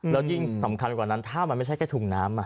แล้วยิ่งสำคัญไปกว่านั้นถ้ามันไม่ใช่แค่ถุงน้ำ